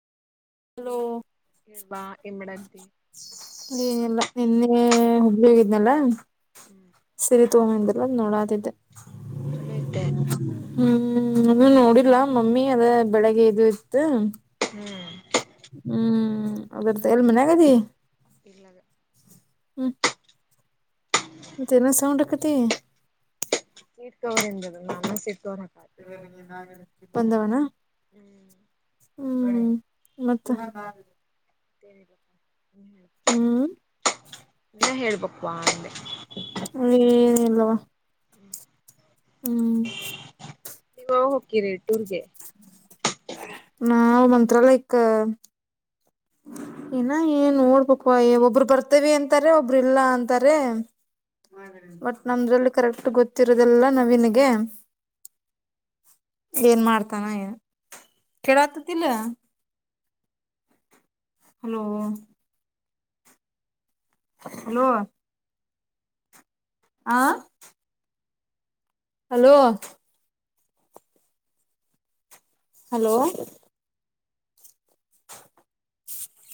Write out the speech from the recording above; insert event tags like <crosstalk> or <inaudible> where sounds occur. hello <unintelligible> ಏನಿಲ್ಲ ನಿನ್ನೆ ಹುಬ್ಳಿ ಹೋಗಿದ್ನಲ್ಲ ಹ್ಮ್ ಸಿರಿ ತೋಂಬಂದ ಎಲ್ಲ ನೋಡೋದಿದ್ದ ಚಲಯಿತ ಹ್ಮ್ ಅ ನೋಡಿಲ್ಲ ಮಮ್ಮಿ ಅದ ಬೆಳಗ್ಗೆ ಇ ಇತ್ತು ಹ್ಮ್ ಹ್ಮ್ ಅದರ್ ಎಲ್ ಮನ್ ಆಗದ ಇರ್ಲ್ಲದೆ ಹ ಮತ್ತ ಹೆನ್ ಸೌಂಡ್ ಹಾಗಾಕತಿ ಕೀರ್ಕವರಿಂದ ನಾನೂ ಸಿತ ಒಂದವಣ ಹ್ಮ್ ಹ್ಮ ಹ್ಮ್ ಮತ್ತೆ ಬೇಕ ಇಲ್ಲ ಹೇಳ್ಬೇಕ ಹೇನು ಇಲ್ಲವಾ ಹ್ಮ್ <unintelligible> ನಾವೂ ಮಂತ್ರಾಲಯಕ್ಕ ಹ ಇನ್ನ ಏನ್ ನೋಡ್ಬೇಕಕ್ವಾ ಒಬ್ರು ಬರ್ತವಿ ಅಂತಾರೆ ಒಬ್ಬ್ರ ಇಲ್ಲಾ ಅಂತಾರೆ ಬಟ್ ನಮ್ರಲ್ಲಿ ಕರೆಕ್ಟ್ ಗೊತ್ತಿರೋದಲ್ಲ ನವಿನಗೆ ಏನ್ ಮಾಡ್ತಾನ ಹೇನ ಕೆಳತತಿಲ್ಲ ಹಲೋ ಹಲೋ ಆ ಹಲೋ ಹಲೋ